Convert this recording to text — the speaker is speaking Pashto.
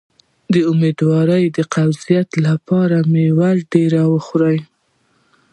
د امیدوارۍ د قبضیت لپاره میوه ډیره وخورئ